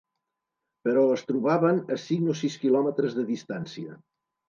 Però es trobaven a cinc o sis quilòmetres de distància